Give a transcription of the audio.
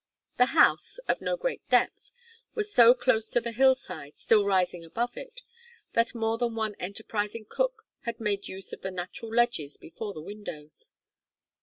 The house, of no great depth, was so close to the hill side, still rising above it, that more than one enterprising cook had made use of the natural ledges before the windows.